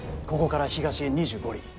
ここから東へ２５里。